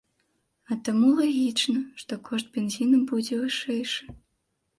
А таму лагічна, што кошт бензіну будзе вышэйшы.